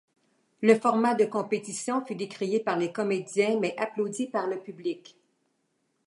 Le format de compétition fut décrié par les comédiens mais applaudi par le public.